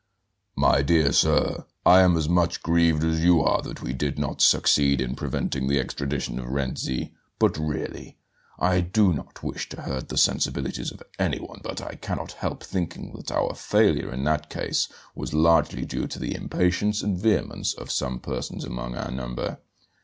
"My dear sir, I am as much grieved as you are that we did not succeed in preventing the extradition of Renzi. But really I do not wish to hurt the sensibilities of anyone, but I cannot help thinking that our failure in that case was largely due to the impatience and vehemence of some persons among our number.